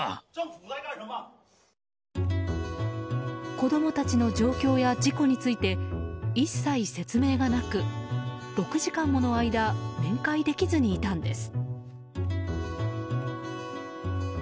子供たちの状況や事故について一切説明がなく６時間もの間面会できずにいたんです。